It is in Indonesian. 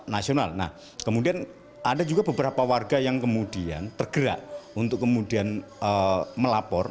nasional nah kemudian ada juga beberapa warga yang kemudian tergerak untuk kemudian melapor